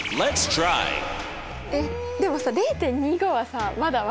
えっでもさ０．２５はさまだ分かるよね。